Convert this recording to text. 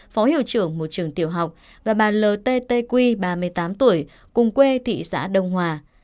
phó hiệu trưởng một trường tiểu học và bà l t t quy ba mươi tám tuổi cùng quê thị xã đông hòa